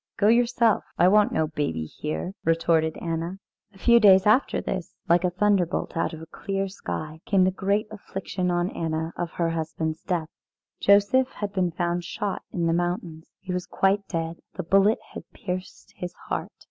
"Go yourself I want no baby here," retorted Anna. A few days after this, like a thunderbolt out of a clear sky, came the great affliction on Anna of her husband's death. Joseph had been found shot in the mountains. He was quite dead. The bullet had pierced his heart.